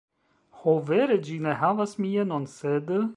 Ho, vere ĝi ne havas mienon, sed...